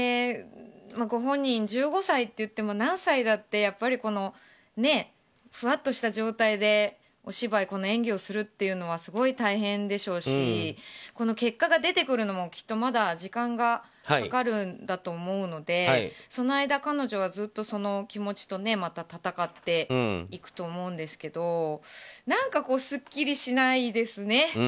ご本人１５歳だっていっても何歳だってやっぱり、ふわっとした状態でこの演技をするというのはすごい大変でしょうしこの結果が出てくるのも、きっとまだ時間がかかるんだと思うのでその間、彼女はずっとその気持ちと戦っていくと思うんですけど何かすっきりしないですね。